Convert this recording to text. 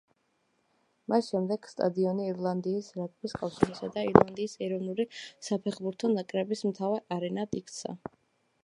მას შემდეგ სტადიონი ირლანდიის რაგბის კავშირისა და ირლანდიის ეროვნული საფეხბურთო ნაკრების მთავარ არენად იქცა.